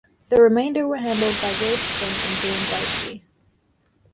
The remainder were handled by Joyce Chin and Dame Darcy.